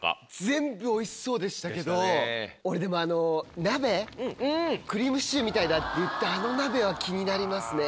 全部おいしそうでしたけど俺でもあの鍋クリームシチューみたいだっていったあの鍋は気になりますね。